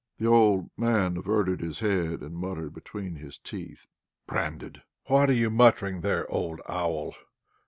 The old man averted his head, and muttered between his teeth "Branded!" "What are you muttering there, old owl?"